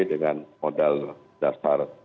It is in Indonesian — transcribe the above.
dengan modal dasar